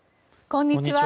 こんにちは。